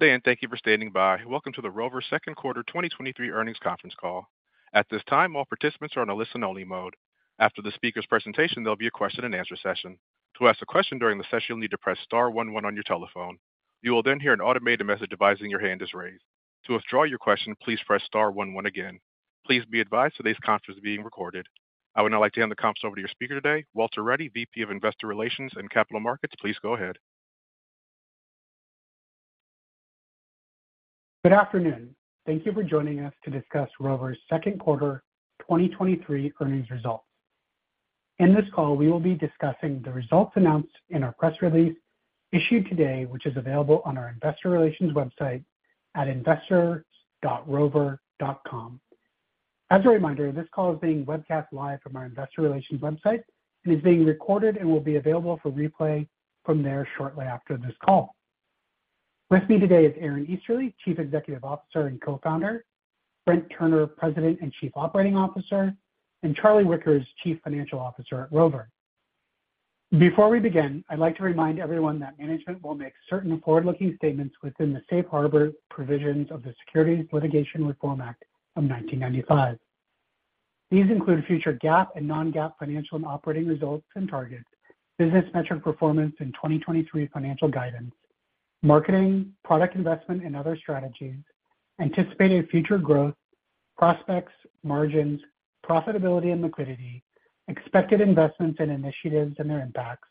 Good day, and thank you for standing by. Welcome to the Rover Second Quarter 2023 Earnings Conference Call. At this time, all participants are on a listen-only mode. After the speaker's presentation, there'll be a question-and-answer session. To ask a question during the session, you'll need to press star one one on your telephone. You will then hear an automated message advising your hand is raised. To withdraw your question, please press star one one again. Please be advised today's conference is being recorded. I would now like to hand the conference over to your speaker today, Walter Ruddy, VP of Investor Relations and Capital Markets. Please go ahead. Good afternoon. Thank you for joining us to discuss Rover's second quarter 2023 earnings results. In this call, we will be discussing the results announced in our press release issued today, which is available on our investor relations website at investors.rover.com. As a reminder, this call is being webcast live from our investor relations website and is being recorded and will be available for replay from there shortly after this call. With me today is Aaron Easterly, Chief Executive Officer and Co-founder, Brent Turner, President and Chief Operating Officer, and Charlie Wickers, Chief Financial Officer at Rover. Before we begin, I'd like to remind everyone that management will make certain forward-looking statements within the Safe Harbor provisions of the Private Securities Litigation Reform Act of 1995. These include future GAAP and non-GAAP financial and operating results and targets, business metric performance in 2023 financial guidance, marketing, product investment, and other strategies, anticipated future growth, prospects, margins, profitability and liquidity, expected investments and initiatives and their impacts,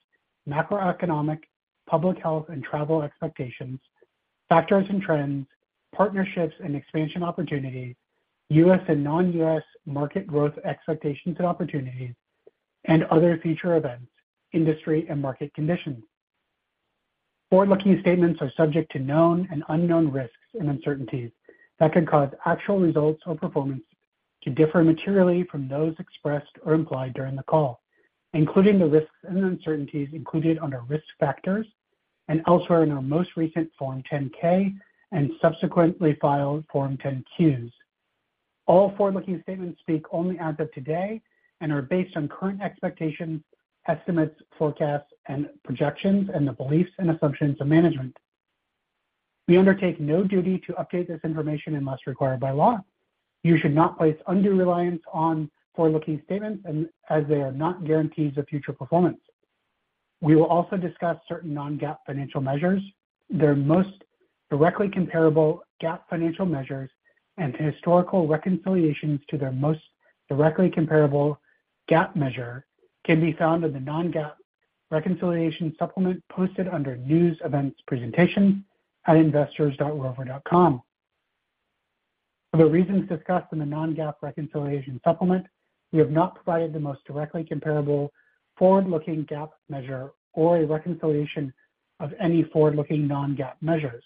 macroeconomic, public health, and travel expectations, factors and trends, partnerships and expansion opportunities, US and non-US market growth expectations and opportunities, and other future events, industry, and market conditions. Forward-looking statements are subject to known and unknown risks and uncertainties that could cause actual results or performance to differ materially from those expressed or implied during the call, including the risks and uncertainties included under Risk Factors and elsewhere in our most recent Form 10-K and subsequently filed Form 10-Qs. All forward-looking statements speak only as of today and are based on current expectations, estimates, forecasts, and projections, and the beliefs and assumptions of management. We undertake no duty to update this information unless required by law. You should not place undue reliance on forward-looking statements and as they are not guarantees of future performance. We will also discuss certain non-GAAP financial measures. Their most directly comparable GAAP financial measures and historical reconciliations to their most directly comparable GAAP measure can be found in the non-GAAP reconciliation supplement posted under News Events Presentation at investors.rover.com. For the reasons discussed in the non-GAAP reconciliation supplement, we have not provided the most directly comparable forward-looking GAAP measure or a reconciliation of any forward-looking non-GAAP measures.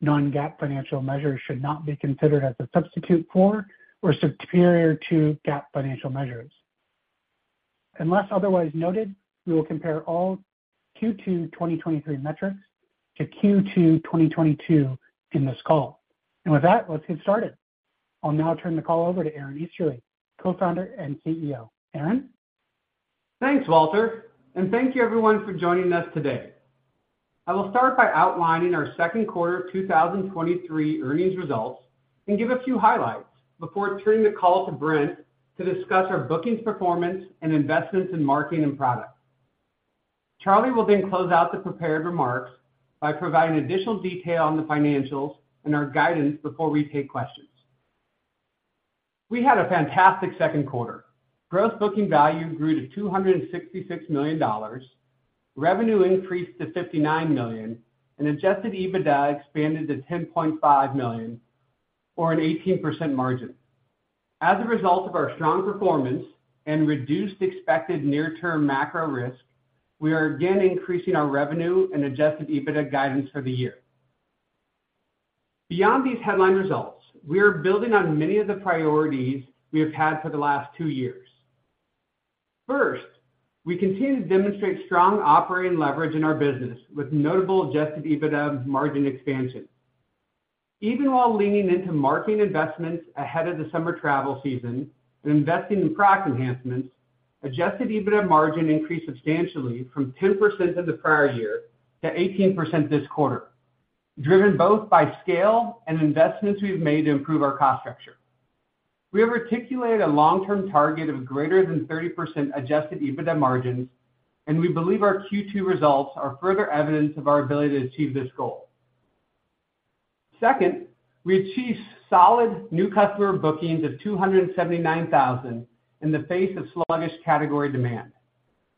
Non-GAAP financial measures should not be considered as a substitute for or superior to GAAP financial measures. Unless otherwise noted, we will compare all Q2 2023 metrics to Q2 2022 in this call. With that, let's get started. I'll now turn the call over to Aaron Easterly, Co-founder and CEO. Aaron? Thanks, Walter, and thank you everyone for joining us today. I will start by outlining our second quarter of 2023 earnings results and give a few highlights before turning the call to Brent to discuss our bookings, performance, and investments in marketing and product. Charlie will close out the prepared remarks by providing additional detail on the financials and our guidance before we take questions. We had a fantastic second quarter. Gross booking value grew to $266 million, revenue increased to $59 million, and adjusted EBITDA expanded to $10.5 million, or an 18% margin. As a result of our strong performance and reduced expected near-term macro risk, we are again increasing our revenue and adjusted EBITDA guidance for the year. Beyond these headline results, we are building on many of the priorities we have had for the last two years. First, we continue to demonstrate strong operating leverage in our business with notable adjusted EBITDA margin expansion. Even while leaning into marketing investments ahead of the summer travel season and investing in product enhancements, adjusted EBITDA margin increased substantially from 10% in the prior year to 18% this quarter, driven both by scale and investments we've made to improve our cost structure. We have articulated a long-term target of greater than 30% adjusted EBITDA margins. We believe our Q2 results are further evidence of our ability to achieve this goal. Second, we achieved solid new customer bookings of 279,000 in the face of sluggish category demand.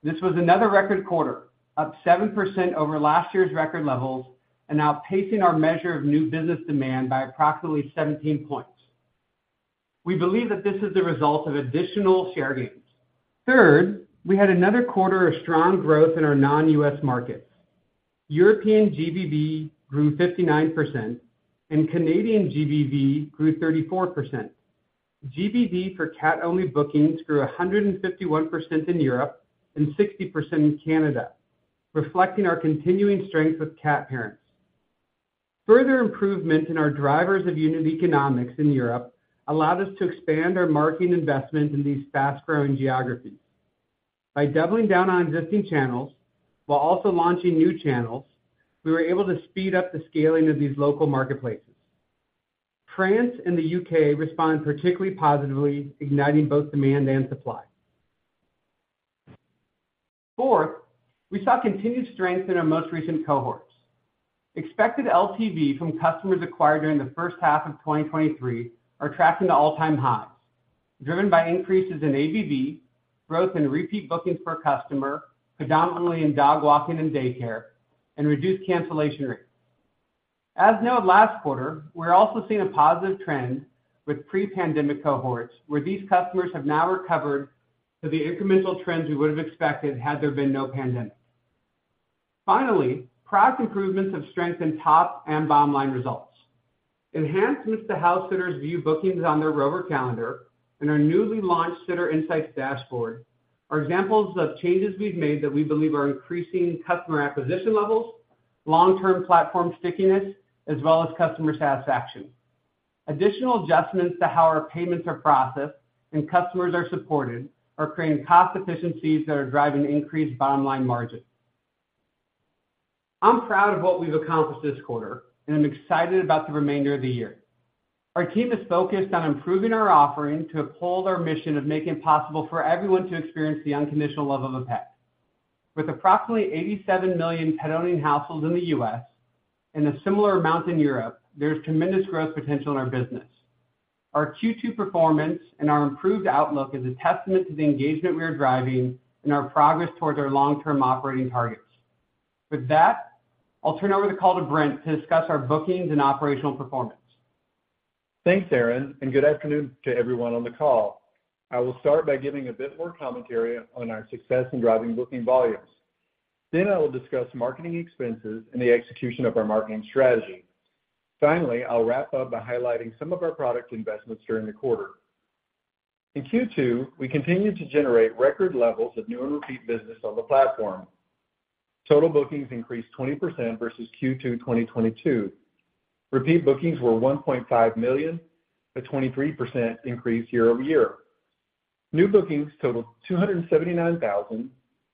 This was another record quarter, up 7% over last year's record levels and outpacing our measure of new business demand by approximately 17 points. We believe that this is the result of additional share gains. Third, we had another quarter of strong growth in our non-U.S. markets. European GBV grew 59%, and Canadian GBV grew 34%. GBV for cat-only bookings grew 151% in Europe and 60% in Canada, reflecting our continuing strength with cat parents. Further improvement in our drivers of unit economics in Europe allowed us to expand our marketing investment in these fast-growing geographies.... By doubling down on existing channels while also launching new channels, we were able to speed up the scaling of these local marketplaces. France and the UK responded particularly positively, igniting both demand and supply. Fourth, we saw continued strength in our most recent cohorts. Expected LTV from customers acquired during the first half of 2023 are tracking to all-time highs, driven by increases in ABV, growth in repeat bookings per customer, predominantly in dog walking and daycare, and reduced cancellation rates. As noted last quarter, we're also seeing a positive trend with pre-pandemic cohorts, where these customers have now recovered to the incremental trends we would have expected had there been no pandemic. Finally, product improvements have strengthened top and bottom line results. Enhancements to house sitters view bookings on their Rover calendar and our newly launched Sitter Insights dashboard are examples of changes we've made that we believe are increasing customer acquisition levels, long-term platform stickiness, as well as customer satisfaction. Additional adjustments to how our payments are processed and customers are supported are creating cost efficiencies that are driving increased bottom-line margin. I'm proud of what we've accomplished this quarter, and I'm excited about the remainder of the year. Our team is focused on improving our offering to uphold our mission of making it possible for everyone to experience the unconditional love of a pet. With approximately 87 million pet-owning households in the U.S. and a similar amount in Europe, there's tremendous growth potential in our business. Our Q2 performance and our improved outlook is a testament to the engagement we are driving and our progress toward our long-term operating targets. With that, I'll turn over the call to Brent to discuss our bookings and operational performance. Thanks, Aaron. Good afternoon to everyone on the call. I will start by giving a bit more commentary on our success in driving booking volumes. I will discuss marketing expenses and the execution of our marketing strategy. Finally, I'll wrap up by highlighting some of our product investments during the quarter. In Q2, we continued to generate record levels of new and repeat business on the platform. Total bookings increased 20% versus Q2 2022. Repeat bookings were 1.5 million, a 23% increase year-over-year. New bookings totaled 279,000,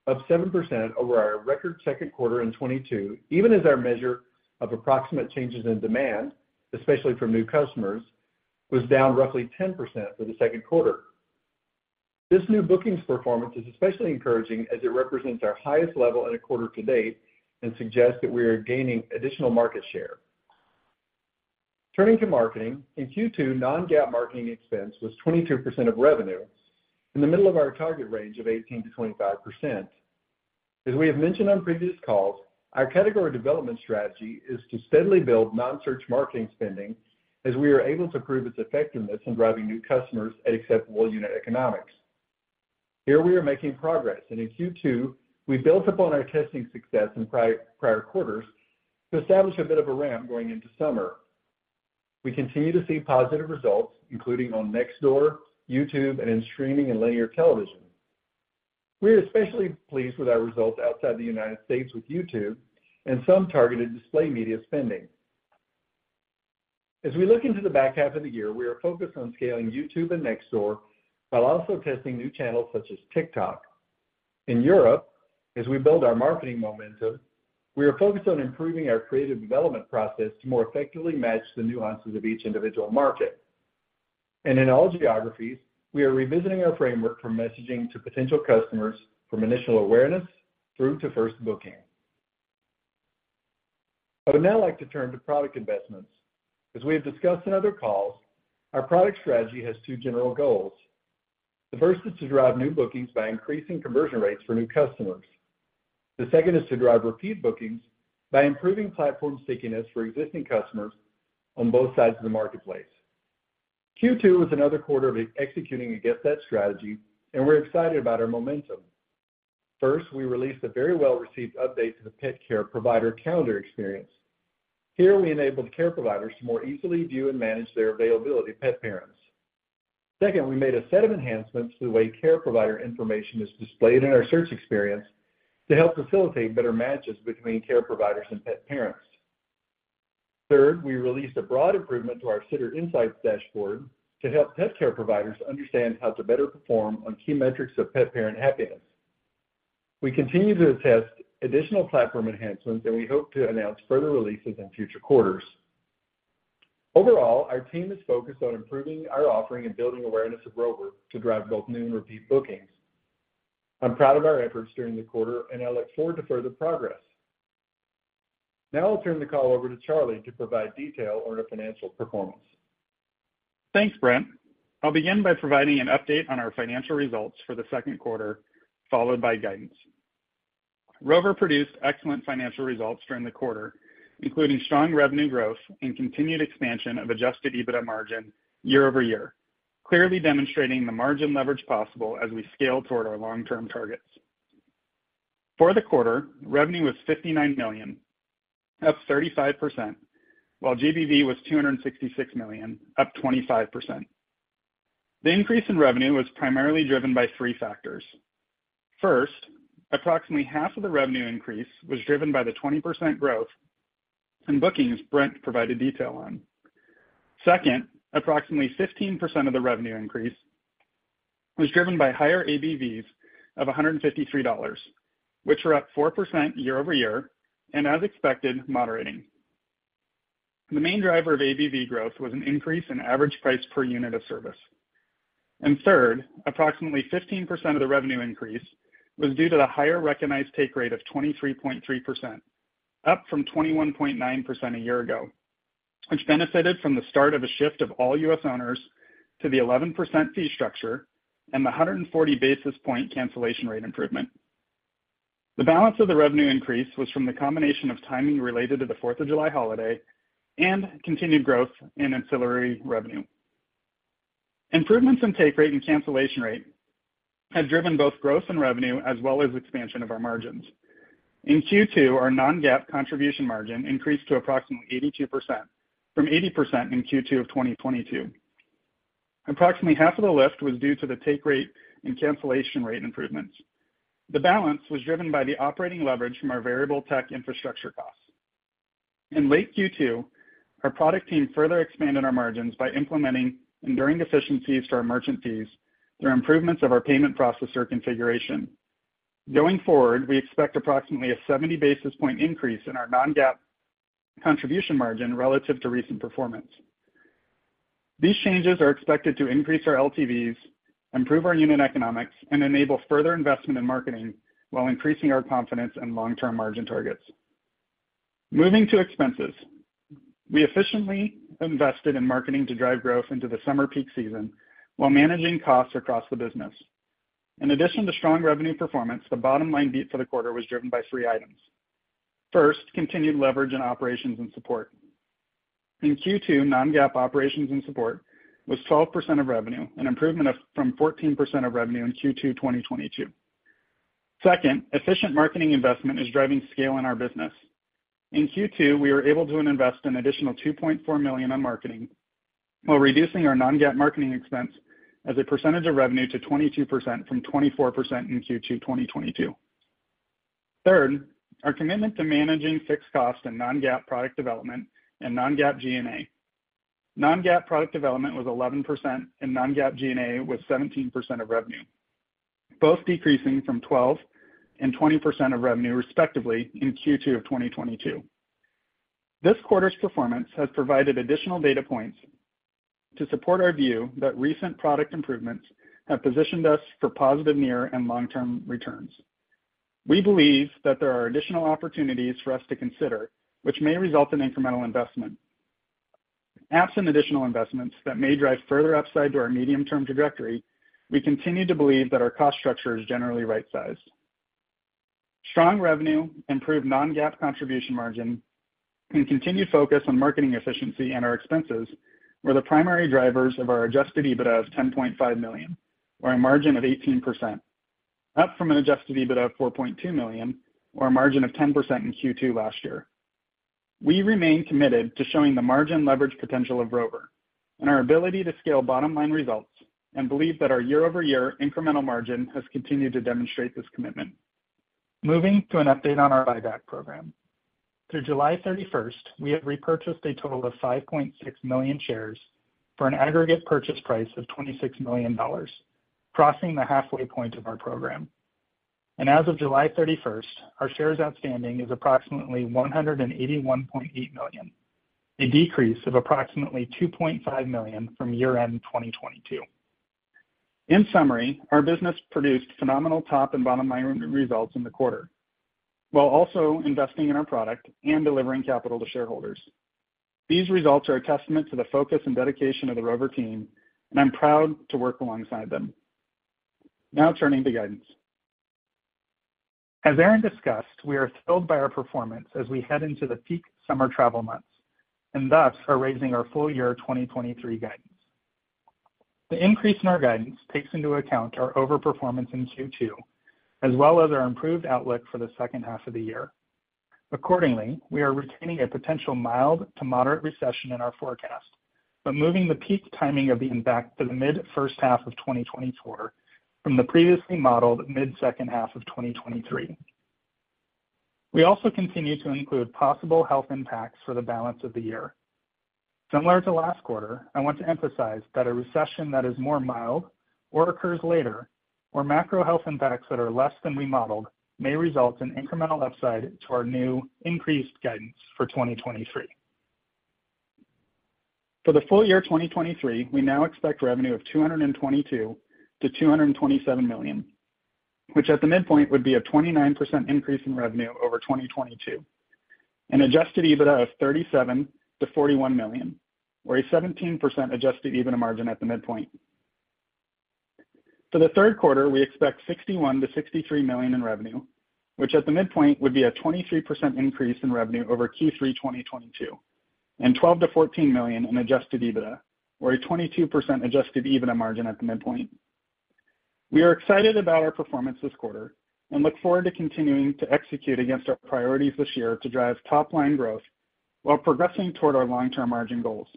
up 7% over our record second quarter in 2022, even as our measure of approximate changes in demand, especially from new customers, was down roughly 10% for the second quarter. This new bookings performance is especially encouraging as it represents our highest level in a quarter to date and suggests that we are gaining additional market share. Turning to marketing, in Q2, non-GAAP marketing expense was 22% of revenue, in the middle of our target range of 18%-25%. As we have mentioned on previous calls, our category development strategy is to steadily build non-search marketing spending as we are able to prove its effectiveness in driving new customers at acceptable unit economics. Here we are making progress, and in Q2, we built upon our testing success in prior quarters to establish a bit of a ramp going into summer. We continue to see positive results, including on Nextdoor, YouTube, and in streaming and linear television. We are especially pleased with our results outside the United States with YouTube and some targeted display media spending. As we look into the back half of the year, we are focused on scaling YouTube and Nextdoor while also testing new channels such as TikTok. In Europe, as we build our marketing momentum, we are focused on improving our creative development process to more effectively match the nuances of each individual market. In all geographies, we are revisiting our framework for messaging to potential customers from initial awareness through to first booking. I would now like to turn to product investments. As we have discussed in other calls, our product strategy has two general goals. The first is to drive new bookings by increasing conversion rates for new customers. The second is to drive repeat bookings by improving platform stickiness for existing customers on both sides of the marketplace. Q2 was another quarter of executing against that strategy, and we're excited about our momentum. First, we released a very well-received update to the pet care provider calendar experience. Here, we enabled care providers to more easily view and manage their availability to pet parents. Second, we made a set of enhancements to the way care provider information is displayed in our search experience to help facilitate better matches between care providers and pet parents. Third, we released a broad improvement to our Sitter Insights dashboard to help pet care providers understand how to better perform on key metrics of pet parent happiness. We continue to test additional platform enhancements, and we hope to announce further releases in future quarters. Overall, our team is focused on improving our offering and building awareness of Rover to drive both new and repeat bookings. I'm proud of our efforts during the quarter, and I look forward to further progress. Now I'll turn the call over to Charlie to provide detail on our financial performance. Thanks, Brent. I'll begin by providing an update on our financial results for the second quarter, followed by guidance. Rover produced excellent financial results during the quarter, including strong revenue growth and continued expansion of adjusted EBITDA margin year-over-year, clearly demonstrating the margin leverage possible as we scale toward our long-term targets. For the quarter, revenue was $59 million, up 35%, while GBV was $266 million, up 25%. The increase in revenue was primarily driven by three factors: First, approximately half of the revenue increase was driven by the 20% growth in bookings Brent provided detail on.... Second, approximately 15% of the revenue increase was driven by higher ABVs of $153, which were up 4% year-over-year, and as expected, moderating. The main driver of ABV growth was an increase in average price per unit of service. Third, approximately 15% of the revenue increase was due to the higher recognized take rate of 23.3%, up from 21.9% a year ago, which benefited from the start of a shift of all U.S. owners to the 11% fee structure and the 140 basis point cancellation rate improvement. The balance of the revenue increase was from the combination of timing related to the Fourth of July holiday and continued growth in ancillary revenue. Improvements in take rate and cancellation rate have driven both growth and revenue, as well as expansion of our margins. In Q2, our non-GAAP contribution margin increased to approximately 82%, from 80% in Q2 of 2022. Approximately half of the lift was due to the take rate and cancellation rate improvements. The balance was driven by the operating leverage from our variable tech infrastructure costs. In late Q2, our product team further expanded our margins by implementing enduring efficiencies to our merchant fees through improvements of our payment processor configuration. Going forward, we expect approximately a 70 basis point increase in our non-GAAP contribution margin relative to recent performance. These changes are expected to increase our LTVs, improve our unit economics, and enable further investment in marketing while increasing our confidence in long-term margin targets. Moving to expenses. We efficiently invested in marketing to drive growth into the summer peak season while managing costs across the business. In addition to strong revenue performance, the bottom line beat for the quarter was driven by three items. First, continued leverage in operations and support. In Q2, non-GAAP operations and support was 12% of revenue, an improvement of, from 14% of revenue in Q2 2022. Second, efficient marketing investment is driving scale in our business. In Q2, we were able to invest an additional $2.4 million on marketing while reducing our non-GAAP marketing expense as a percentage of revenue to 22% from 24% in Q2 2022. Third, our commitment to managing fixed costs and non-GAAP product development and non-GAAP G&A. Non-GAAP product development was 11%, and non-GAAP G&A was 17% of revenue, both decreasing from 12% and 20% of revenue, respectively, in Q2 of 2022. This quarter's performance has provided additional data points to support our view that recent product improvements have positioned us for positive near and long-term returns. We believe that there are additional opportunities for us to consider, which may result in incremental investment. Absent additional investments that may drive further upside to our medium-term trajectory, we continue to believe that our cost structure is generally right-sized. Strong revenue, improved non-GAAP contribution margin, and continued focus on marketing efficiency and our expenses were the primary drivers of our adjusted EBITDA of $10.5 million, or a margin of 18%, up from an adjusted EBITDA of $4.2 million, or a margin of 10% in Q2 last year. We remain committed to showing the margin leverage potential of Rover and our ability to scale bottom line results, and believe that our year-over-year incremental margin has continued to demonstrate this commitment. Moving to an update on our buyback program. Through July 31st, we have repurchased a total of 5.6 million shares for an aggregate purchase price of $26 million, crossing the halfway point of our program. As of July 31st, our shares outstanding is approximately 181.8 million, a decrease of approximately 2.5 million from year-end 2022. In summary, our business produced phenomenal top and bottom line results in the quarter, while also investing in our product and delivering capital to shareholders. These results are a testament to the focus and dedication of the Rover team, and I'm proud to work alongside them. Now turning to guidance. As Aaron discussed, we are thrilled by our performance as we head into the peak summer travel months, thus are raising our full-year 2023 guidance. The increase in our guidance takes into account our overperformance in Q2, as well as our improved outlook for the second half of the year. Accordingly, we are retaining a potential mild to moderate recession in our forecast, moving the peak timing of the impact to the mid first half of 2024 from the previously modeled mid second half of 2023. We also continue to include possible health impacts for the balance of the year. Similar to last quarter, I want to emphasize that a recession that is more mild or occurs later, or macro health impacts that are less than we modeled, may result in incremental upside to our new increased guidance for 2023. For the full-year 2023, we now expect revenue of $222-227 million, which at the midpoint would be a 29% increase in revenue over 2022, and adjusted EBITDA of $37-41 million, or a 17% adjusted EBITDA margin at the midpoint. For the third quarter, we expect $61-63 million in revenue, which at the midpoint would be a 23% increase in revenue over Q3 2022, and $12-14 million in adjusted EBITDA, or a 22% adjusted EBITDA margin at the midpoint. We are excited about our performance this quarter and look forward to continuing to execute against our priorities this year to drive top-line growth while progressing toward our long-term margin goals.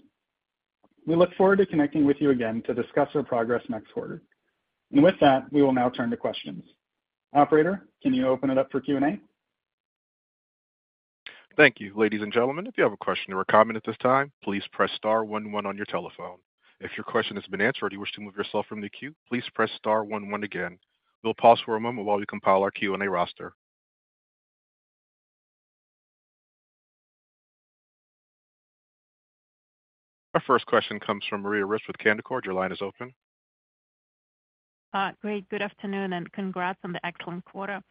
We look forward to connecting with you again to discuss our progress next quarter. With that, we will now turn to questions. Operator, can you open it up for Q&A? Thank you. Ladies and gentlemen, if you have a question or a comment at this time, please press star one, one on your telephone. If your question has been answered or you wish to move yourself from the queue, please press star one one again. We'll pause for a moment while we compile our Q&A roster. Our first question comes from Maria Ripps with Canaccord Genuity. Your line is open. Great. Good afternoon and congrats on the excellent quarter.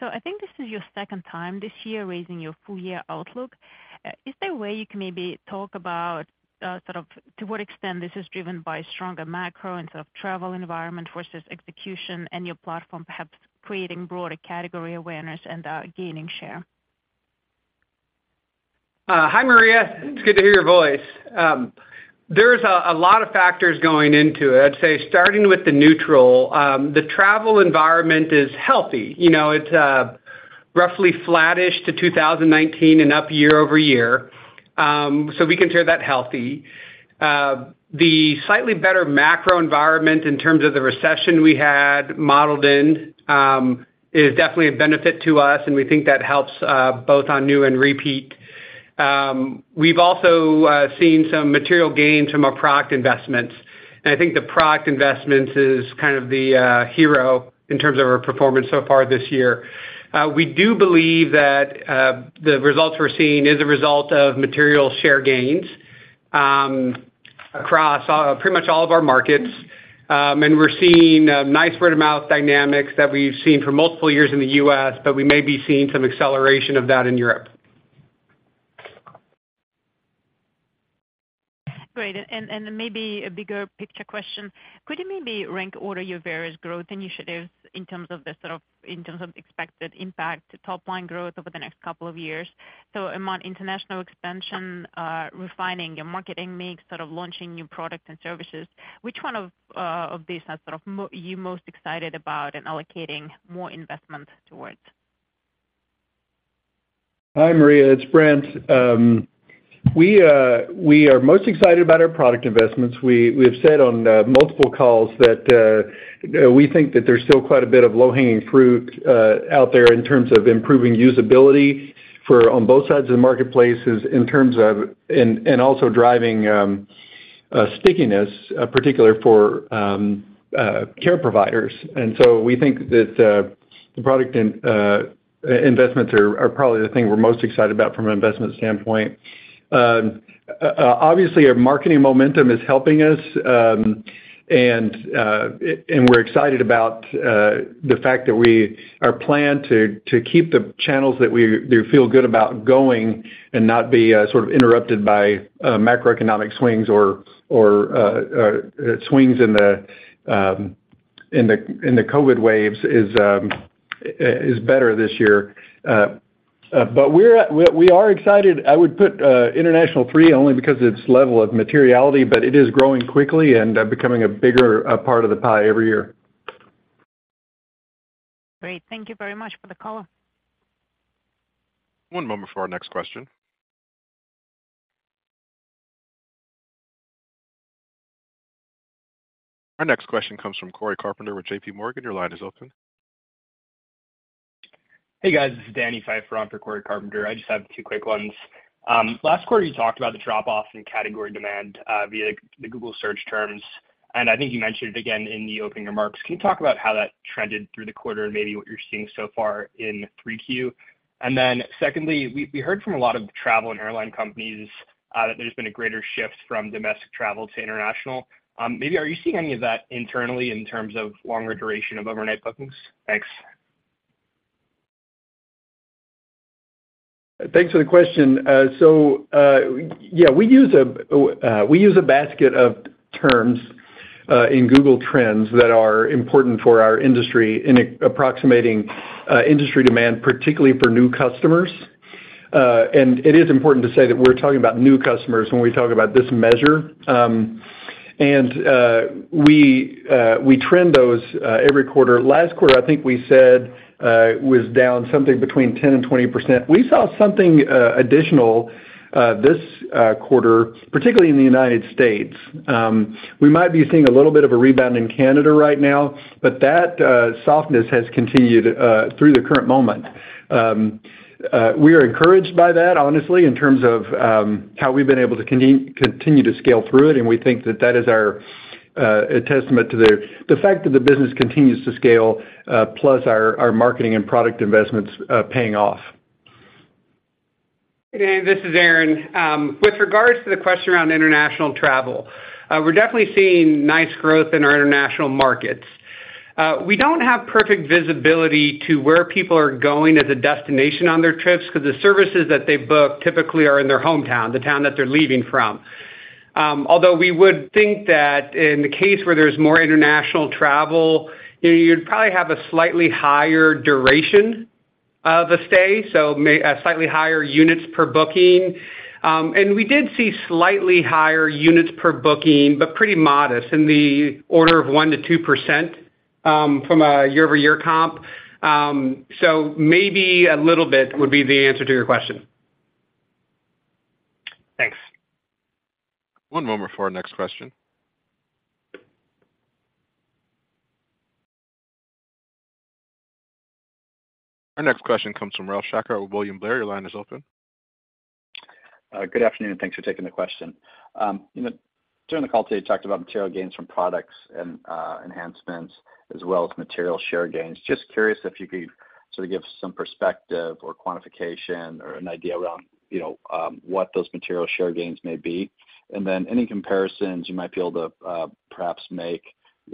I think this is your second time this year raising your full-year outlook. Is there a way you can maybe talk about, sort of to what extent this is driven by stronger macro and sort of travel environment versus execution and your platform perhaps creating broader category awareness and gaining share? Hi, Maria. It's good to hear your voice. There's a lot of factors going into it. I'd say starting with the neutral, the travel environment is healthy. You know, it's roughly flattish to 2019 and up year-over-year, so we consider that healthy. The slightly better macro environment in terms of the recession we had modeled in, is definitely a benefit to us, and we think that helps both on new and repeat. We've also seen some material gain from our product investments, and I think the product investments is kind of the hero in terms of our performance so far this year. We do believe that the results we're seeing is a result of material share gains across pretty much all of our markets. We're seeing nice word-of-mouth dynamics that we've seen for multiple years in the US, but we may be seeing some acceleration of that in Europe. Great. And maybe a bigger picture question: Could you maybe rank order your various growth initiatives in terms of the sort of in terms of expected impact to top line growth over the next couple of years? Among international expansion, refining your marketing mix, sort of launching new products and services, which one of these are sort of you most excited about and allocating more investment towards? Hi, Maria, it's Brent. We, we are most excited about our product investments. We, we have said on multiple calls that we think that there's still quite a bit of low-hanging fruit out there in terms of improving usability for on both sides of the marketplaces, in terms of and, and also driving stickiness particular for care providers. We think that the product and investments are, are probably the thing we're most excited about from an investment standpoint. Obviously, our marketing momentum is helping us. We're excited about the fact that our plan to, to keep the channels that we, we feel good about going and not be, sort of interrupted by macroeconomic swings or swings in the COVID waves is better this year. We are excited. I would put international three only because of its level of materiality, but it is growing quickly and becoming a bigger part of the pie every year. Great. Thank you very much for the call. One moment for our next question. Our next question comes from Cory Carpenter with JP Morgan. Your line is open. Hey, guys. This is Danny Pfeiffer for Cory Carpenter. I just have two quick ones. Last quarter, you talked about the drop-off in category demand via the Google search terms, and I think you mentioned it again in the opening remarks. Can you talk about how that trended through the quarter and maybe what you're seeing so far in Q3? Secondly, we heard from a lot of travel and airline companies that there's been a greater shift from domestic travel to international. Maybe are you seeing any of that internally in terms of longer duration of overnight bookings? Thanks. Thanks for the question. Yeah, we use a, we use a basket of terms in Google Trends that are important for our industry in approximating industry demand, particularly for new customers. It is important to say that we're talking about new customers when we talk about this measure. We, we trend those every quarter. Last quarter, I think we said was down something between 10% and 20%. We saw something additional this quarter, particularly in the United States. We might be seeing a little bit of a rebound in Canada right now, but that softness has continued through the current moment. We are encouraged by that, honestly, in terms of, how we've been able to continue to scale through it, and we think that that is our, a testament to the, the fact that the business continues to scale, plus our, our marketing and product investments, paying off. Hey, Dan, this is Aaron. With regards to the question around international travel, we're definitely seeing nice growth in our international markets. We don't have perfect visibility to where people are going as a destination on their trips, because the services that they book typically are in their hometown, the town that they're leaving from. Although we would think that in the case where there's more international travel, you'd probably have a slightly higher duration of the stay, so a slightly higher units per booking. We did see slightly higher units per booking, but pretty modest, in the order of 1%-2%, from a year-over-year comp. Maybe a little bit would be the answer to your question. Thanks. One moment for our next question. Our next question comes from Ralph Schackart with William Blair. Your line is open. Good afternoon, thanks for taking the question. You know, during the call today, you talked about material gains from products and enhancements as well as material share gains. Just curious if you could sort of give some perspective or quantification or an idea around, you know, what those material share gains may be. Then any comparisons you might be able to perhaps make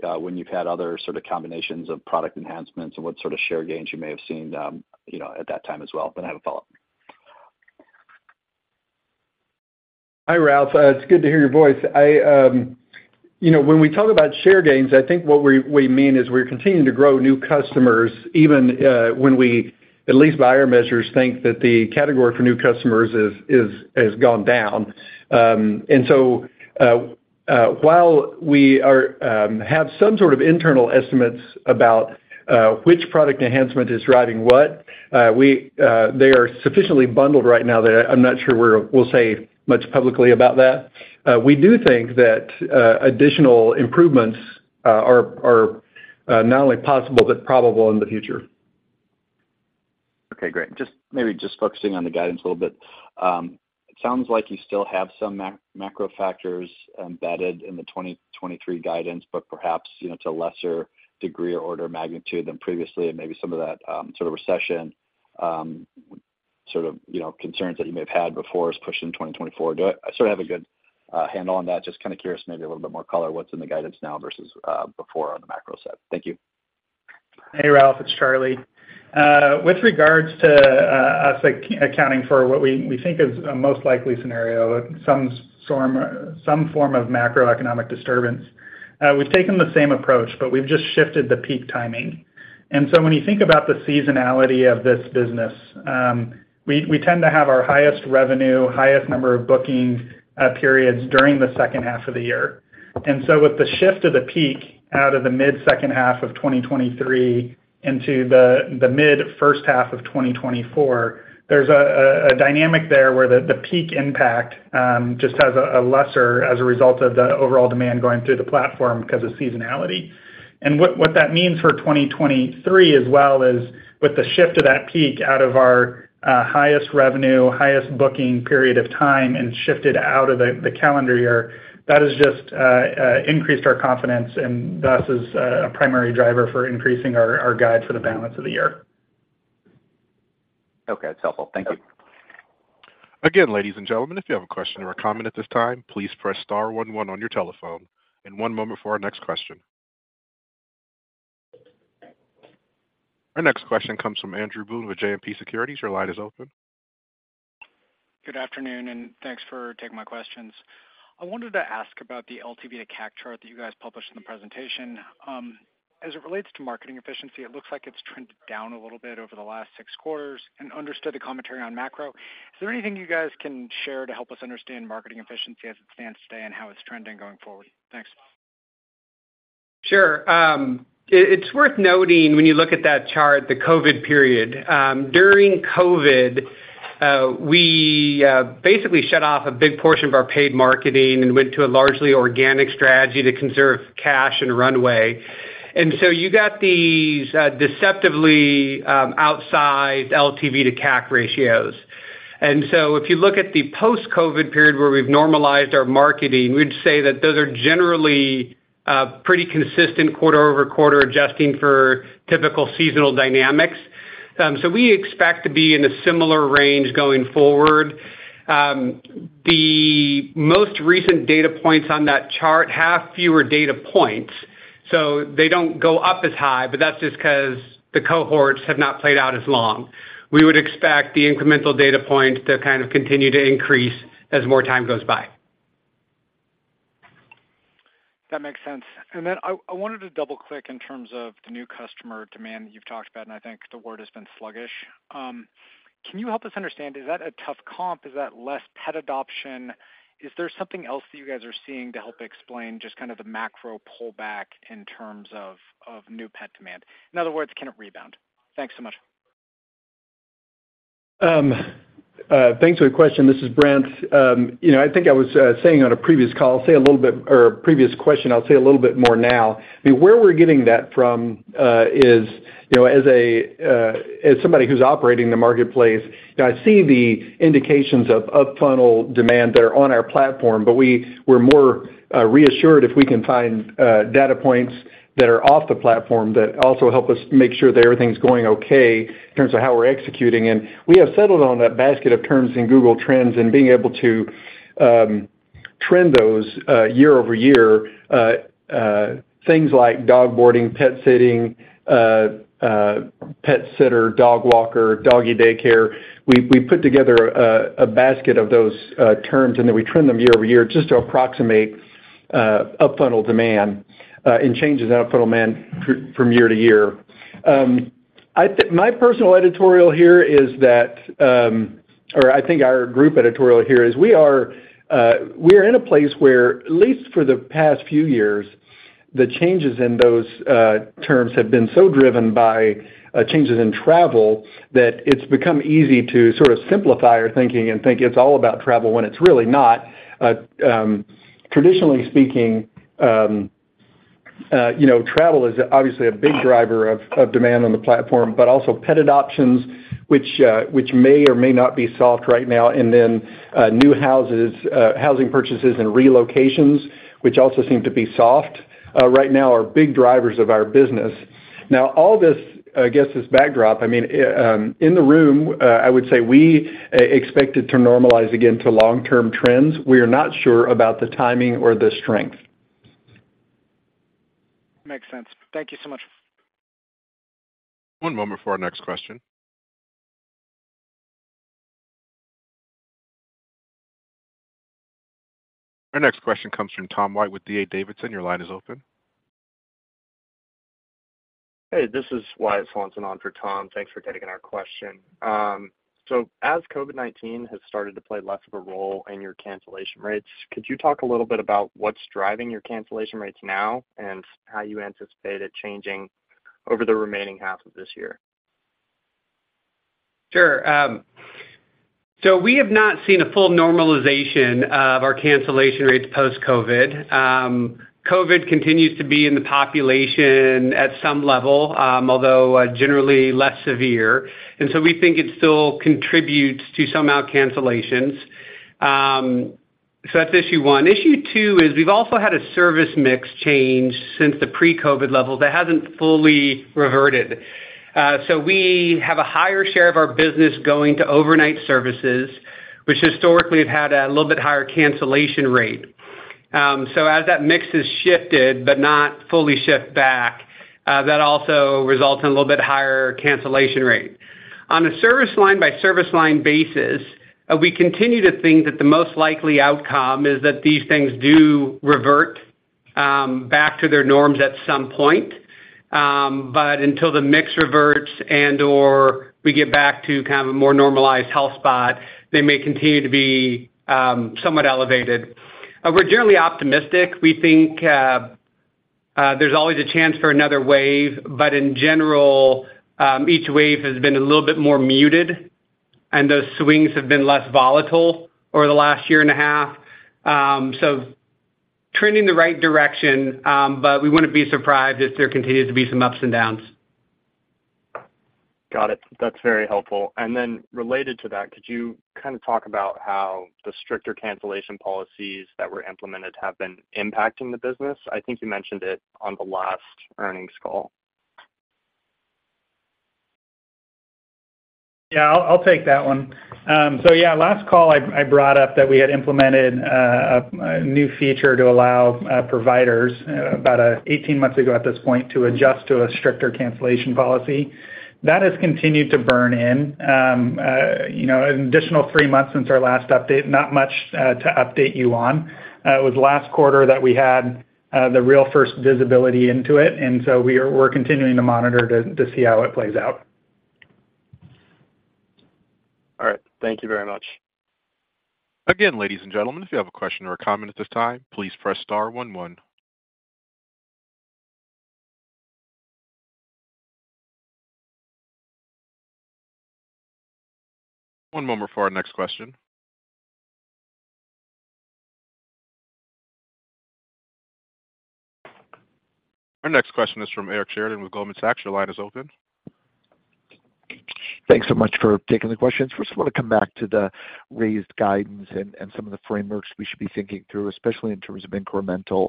when you've had other sort of combinations of product enhancements and what sort of share gains you may have seen, you know, at that time as well. I have a follow-up. Hi, Ralph. It's good to hear your voice. I, you know, when we talk about share gains, I think what we, we mean is we're continuing to grow new customers, even when we, at least by our measures, think that the category for new customers is, is, has gone down. While we are, have some sort of internal estimates about which product enhancement is driving what, we, they are sufficiently bundled right now that I'm not sure we'll say much publicly about that. We do think that additional improvements are not only possible but probable in the future. Okay, great. Just maybe just focusing on the guidance a little bit. It sounds like you still have some macro factors embedded in the 2023 guidance, but perhaps, you know, to a lesser degree or order of magnitude than previously, and maybe some of that, sort of recession, sort of, you know, concerns that you may have had before is pushed into 2024. Do I sort of have a good handle on that? Just kind of curious, maybe a little bit more color, what's in the guidance now versus before on the macro set? Thank you. Hey, Ralph, it's Charlie. With regards to us accounting for what we, we think is a most likely scenario, some form, some form of macroeconomic disturbance, we've taken the same approach, but we've just shifted the peak timing. When you think about the seasonality of this business, we, we tend to have our highest revenue, highest number of booking periods during the 2nd half of the year. With the shift of the peak out of the mid-2nd half of 2023 into the mid-1st half of 2024, there's a dynamic there where the peak impact just has a lesser as a result of the overall demand going through the platform because of seasonality. What, what that means for 2023 as well is, with the shift of that peak out of our highest revenue, highest booking period of time and shifted out of the calendar year, that has just increased our confidence and thus is a primary driver for increasing our guide for the balance of the year. Okay, it's helpful. Thank you. Again, ladies and gentlemen, if you have a question or a comment at this time, please press star one one on your telephone. One moment for our next question. Our next question comes from Andrew Boone with JMP Securities. Your line is open. Good afternoon, thanks for taking my questions. I wanted to ask about the LTV to CAC chart that you guys published in the presentation. As it relates to marketing efficiency, it looks like it's trended down a little bit over the last six quarters and understood the commentary on macro. Is there anything you guys can share to help us understand marketing efficiency as it stands today and how it's trending going forward? Thanks. Sure. It, it's worth noting, when you look at that chart, the COVID period. During COVID, we basically shut off a big portion of our paid marketing and went to a largely organic strategy to conserve cash and runway. You got these deceptively outsized LTV to CAC ratios. If you look at the post-COVID period where we've normalized our marketing, we'd say that those are generally pretty consistent quarter-over-quarter, adjusting for typical seasonal dynamics. We expect to be in a similar range going forward. The most recent data points on that chart have fewer data points, they don't go up as high, that's just 'cause the cohorts have not played out as long. We would expect the incremental data point to kind of continue to increase as more time goes by. That makes sense. Then I, I wanted to double-click in terms of the new customer demand that you've talked about, and I think the word has been sluggish. Can you help us understand, is that a tough comp? Is that less pet adoption? Is there something else that you guys are seeing to help explain just kind of the macro pullback in terms of new pet demand? In other words, can it rebound? Thanks so much. Thanks for the question. This is Brent. You know, I think I was saying on a previous call, I'll say a little bit, or a previous question, I'll say a little bit more now. Where we're getting that from is, you know, as a, as somebody who's operating the marketplace, I see the indications of up funnel demand that are on our platform, but we're more reassured if we can find data points that are off the platform that also help us make sure that everything's going okay in terms of how we're executing. We have settled on that basket of terms in Google Trends and being able to trend those year-over-year, things like dog boarding, pet sitting, pet sitter, dog walker, doggy daycare. We, we put together a, a basket of those terms, and then we trend them year-over-year just to approximate up funnel demand and changes in up funnel demand from year-to-year. My personal editorial here is that, or I think our group editorial here is we are, we are in a place where, at least for the past few years, the changes in those terms have been so driven by changes in travel, that it's become easy to sort of simplify our thinking and think it's all about travel when it's really not. Traditionally speaking,... you know, travel is obviously a big driver of, of demand on the platform, but also pet adoptions, which, which may or may not be soft right now, and then, new houses, housing purchases and relocations, which also seem to be soft, right now, are big drivers of our business. All this, against this backdrop, I mean, in the room, I would say we, expect it to normalize again to long-term trends. We are not sure about the timing or the strength. Makes sense. Thank you so much. One moment for our next question. Our next question comes from Tom White with D.A. Davidson. Your line is open. Hey, this is Wyatt Swanson on for Tom. Thanks for taking our question. As COVID-19 has started to play less of a role in your cancellation rates, could you talk a little bit about what's driving your cancellation rates now and how you anticipate it changing over the remaining half of this year? Sure. So we have not seen a full normalization of our cancellation rates post-COVID. COVID continues to be in the population at some level, although generally less severe, so we think it still contributes to some out cancellations. That's issue 1. Issue 2 is we've also had a service mix change since the pre-COVID levels that hasn't fully reverted. We have a higher share of our business going to overnight services, which historically have had a little bit higher cancellation rate. As that mix has shifted but not fully shift back, that also results in a little bit higher cancellation rate. On a service line by service line basis, we continue to think that the most likely outcome is that these things do revert back to their norms at some point. Until the mix reverts and/or we get back to kind of a more normalized health spot, they may continue to be somewhat elevated. We're generally optimistic. We think there's always a chance for another wave, but in general, each wave has been a little bit more muted, and those swings have been less volatile over the last year and a half. Trending the right direction, but we wouldn't be surprised if there continues to be some ups and downs. Got it. That's very helpful. Then related to that, could you kind of talk about how the stricter cancellation policies that were implemented have been impacting the business? I think you mentioned it on the last earnings call. Yeah, I'll take that one. Last call, I, I brought up that we had implemented a new feature to allow providers, about 18 months ago at this point, to adjust to a stricter cancellation policy. That has continued to burn in. You know, an additional 3 months since our last update, not much to update you on. It was last quarter that we had the real first visibility into it, we are-- we're continuing to monitor to, to see how it plays out. All right. Thank you very much. Again, ladies and gentlemen, if you have a question or a comment at this time, please press star one, one. One moment for our next question. Our next question is from Eric Sheridan with Goldman Sachs. Your line is open. Thanks so much for taking the questions. First, I want to come back to the raised guidance and, and some of the frameworks we should be thinking through, especially in terms of incremental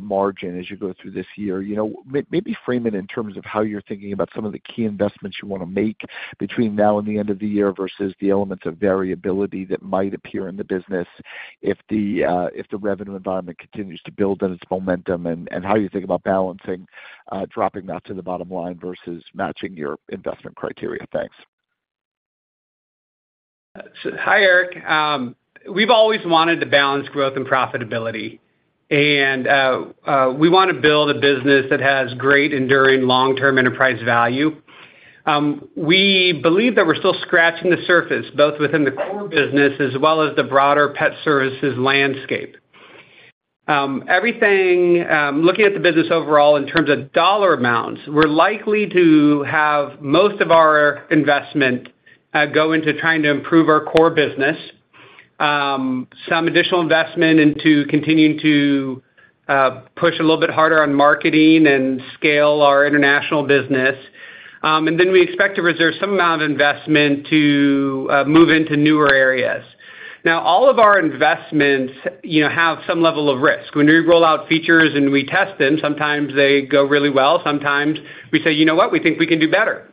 margin as you go through this year. You know, maybe frame it in terms of how you're thinking about some of the key investments you want to make between now and the end of the year, versus the elements of variability that might appear in the business if the revenue environment continues to build on its momentum, and, and how you think about balancing dropping that to the bottom line versus matching your investment criteria. Thanks. Eric, we've always wanted to balance growth and profitability, and we want to build a business that has great enduring long-term enterprise value. We believe that we're still scratching the surface, both within the core business as well as the broader pet services landscape. Everything, looking at the business overall in terms of dollar amounts, we're likely to have most of our investment go into trying to improve our core business. Some additional investment into continuing to push a little bit harder on marketing and scale our international business. Then we expect to reserve some amount of investment to move into newer areas. Now, all of our investments, you know, have some level of risk. When we roll out features and we test them, sometimes they go really well, sometimes we say: You know what? We think we can do better.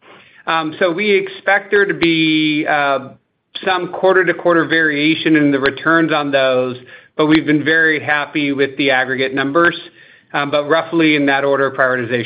We expect there to be some quarter-to-quarter variation in the returns on those, but we've been very happy with the aggregate numbers. Roughly in that order of prioritization.